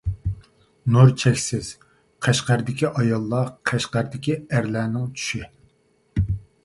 نۇر چەكسىز قەشقەردىكى ئاياللار قەشقەردىكى ئەرلەرنىڭ چۈشى.